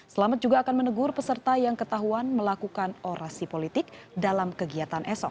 selamat juga akan menegur peserta yang ketahuan melakukan orasi politik dalam kegiatan esok